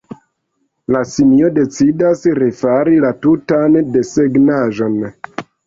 La simio decidas refari la tutan desegnaĵon.